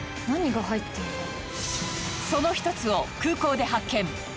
その一つを空港で発見。